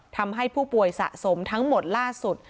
ทำให้ผู้ป่วยสะสมทั้งหมดล่าสุด